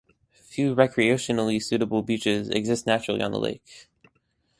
Few recreationally suitable beaches exist naturally on the lake.